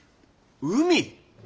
海⁉